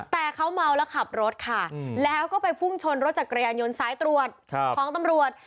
แต่เขาเมาแล้วขับรถค่ะแล้วก็ไปพุ่งชนรถจักรยานยนต์สายตรวจของตำรวจ